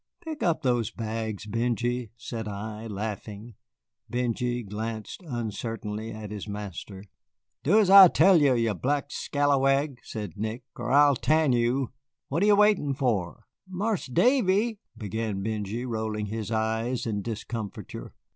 "Pick up those bags, Benjy," said I, laughing. Benjy glanced uncertainly at his master. "Do as I tell you, you black scalawag," said Nick, "or I'll tan you. What are you waiting for?" "Marse Dave " began Benjy, rolling his eyes in discomfiture.